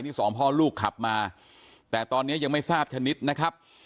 นี่สองพ่อลูกขับมาแต่ตอนนี้ยังไม่ทราบชนิดนะครับ